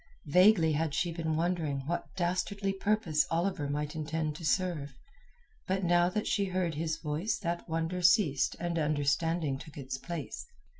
Vaguely had she been wondering what dastardly purpose Oliver might intend to serve, but now that she heard his voice that wonder ceased and understanding took its place.